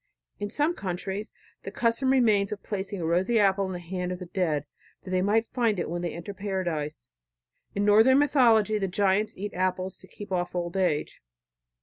In some countries the custom remains of placing a rosy apple in the hand of the dead that they may find it when they enter paradise. In northern mythology the giants eat apples to keep off old age.